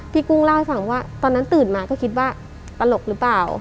พี่กุ้งร่าวที่ฟังว่าตอนนั้นตื่นมาก็คิดว่ารุกหรือเปล่า